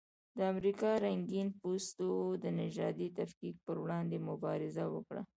د امریکا رنګین پوستو د نژادي تفکیک پر وړاندې مبارزه وکړه.